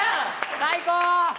最高！